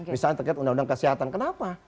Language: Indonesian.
misalnya terkait undang undang kesehatan kenapa